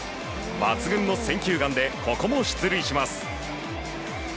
抜群の選球眼でここも出塁します。